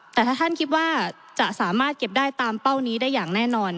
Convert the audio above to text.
แต่ถ้าท่านคิดว่าจะสามารถเก็บได้ตามเป้านี้ได้อย่างแน่นอน